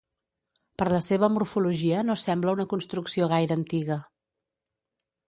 Per la seva morfologia no sembla una construcció gaire antiga.